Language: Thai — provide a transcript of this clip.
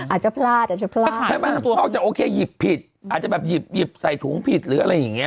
อาจจะพลาดอาจจะพลาดใช่ไหมพ่อจะโอเคหยิบผิดอาจจะแบบหยิบใส่ถุงผิดหรืออะไรอย่างเงี้